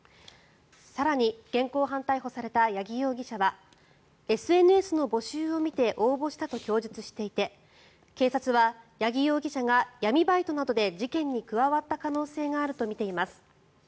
更に現行犯逮捕された八木容疑者はＳＮＳの募集を見て応募したと供述していて警察は八木容疑者が闇バイトなどで事件に加わった可能性があると見ています。